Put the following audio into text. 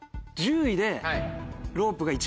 １０位で。